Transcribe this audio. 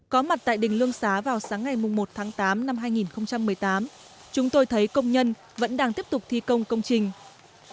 có mặt tại đỉnh lương xá vào sáng ngày một tháng tám năm hai nghìn một mươi tám chúng tôi thấy công nhân vẫn đang tiếp tục thi công công trình